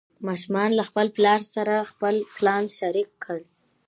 ماشوم له پلار سره خپل پلان شریک کړ